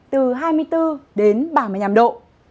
từ hai mươi bốn đến ba mươi năm độ